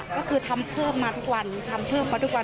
ก็คือทำเพิ่มมาทุกวันแล้วก็ยังไม่พอ